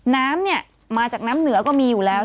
น้ำเนี่ยมาจากน้ำเหนือก็มีอยู่แล้ว